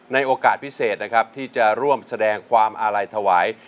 โอกาสพิเศษนะครับที่จะร่วมแสดงความอาลัยถวาย